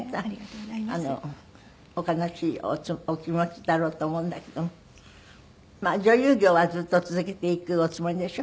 あのお悲しいお気持ちだろうと思うんだけども女優業はずっと続けていくおつもりでしょ？